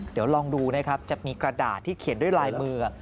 เดี๋ยวลองดูนะครับจะมีกระดาษที่เขียนด้วยลายมือ